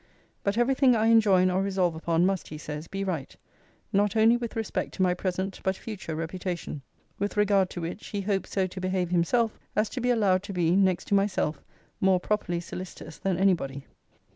But every thing I enjoin or resolve upon must, he says, be right, not only with respect to my present but future reputation; with regard to which, he hopes so to behave himself, as to be allowed to be, next to myself, more properly solicitous than any body.